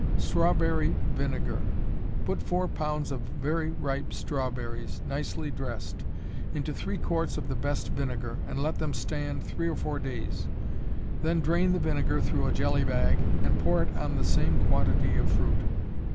Strawberry Vinegar. Put four pounds of very ripe strawberries, nicely dressed, into three quarts of the best vinegar, and let them stand three or four days; then drain the vinegar through a jelly bag, and pour it on the same quantity of fruit.